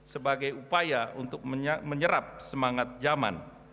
sebagai upaya untuk menyerap semangat zaman